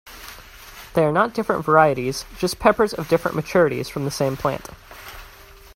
They are not different varieties, just peppers of different maturities from the same plant.